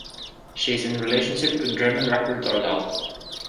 She is in relationship with German rapper Dardan.